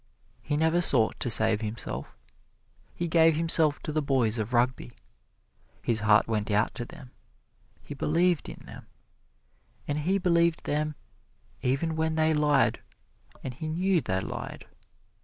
He never sought to save himself. He gave himself to the boys of Rugby. His heart went out to them, he believed in them and he believed them even when they lied, and he knew they lied.